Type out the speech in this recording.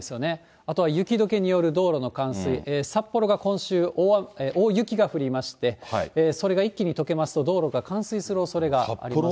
あとは雪どけによる道路の冠水、札幌が今週、大雪が降りまして、それが一気にとけますと道路が冠水するおそれがありますね。